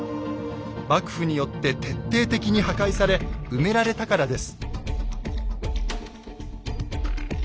幕府によって徹底的に破壊され埋められたからです。